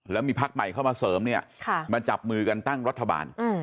แล้วมีพักใหม่เข้ามาเสริมเนี่ยมาจับมือกันตั้งรัฐบาล